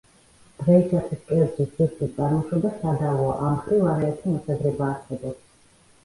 დღეისათვის კერძის ზუსტი წარმოშობა სადავოა, ამ მხრივ არაერთი მოსაზრება არსებობს.